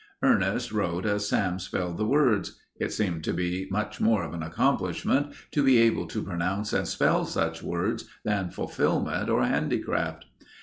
Ernest wrote as Sam spelled the words. It seemed to be much more of an accomplishment to be able to pronounce and spell such words than fulfilment or handicraft.